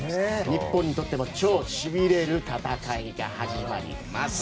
日本にとっても超しびれる戦いが始まります。